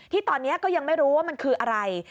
ที่ตอนนี้ก็ยังไม่รู้ว่ามันคืออะไร